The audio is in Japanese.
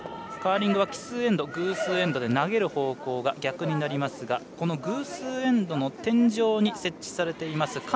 カーリングは奇数エンド、偶数エンドで投げる方向が逆になりますがこの偶数エンドの天井に設置されています